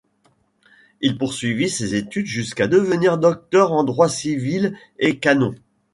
Il poursuivit ses études jusqu'à devenir docteur en droit civil et canon.